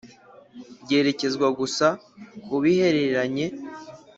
ryerekezwa gusa ku bihereranye